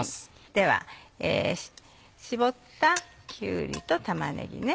では絞ったきゅうりと玉ねぎね。